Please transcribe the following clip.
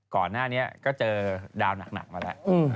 ก่อนหน้านี้ก็เจอดาวหนักมาแล้ว